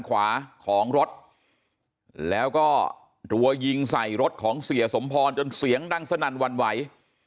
ขวาของรถแล้วก็รัวยิงใส่รถของเสียสมพรจนเสียงดังสนั่นวันไหว